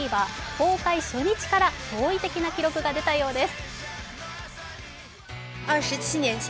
公開初日から驚異的な記録が出たようです。